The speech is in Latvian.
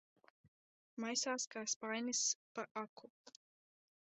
Maisās kā spainis pa aku.